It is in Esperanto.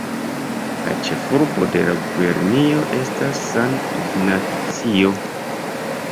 La ĉefurbo de la gubernio estas San Ignacio.